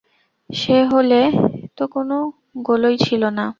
সে হলে তো কোনো গোলই ছিল না!